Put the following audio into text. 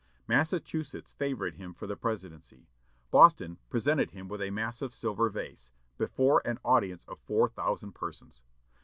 Massachusetts favored him for the presidency. Boston presented him with a massive silver vase, before an audience of four thousand persons.